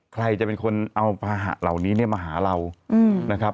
ใครจะเป็นคนเอาภาหะเหล่านี้มาหาเรา